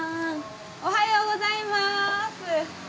おはようございまーす！